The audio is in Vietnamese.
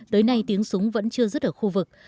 tới nay tiếng súng vẫn chưa dứt ở khu vực